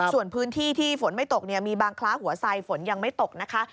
ส่วนพื้นที่ที่ฝนไม่ตกมีบางคล้าหัวไซฝนยังไม่ตกนะคะ